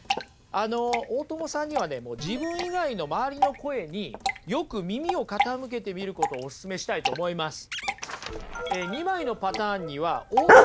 あの大友さんにはね自分以外の周りの声によく耳を傾けてみることをオススメしたいと思います。